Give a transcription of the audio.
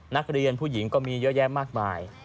นักเรียนผู้หญิงก็มีเยอะแยะมากมาย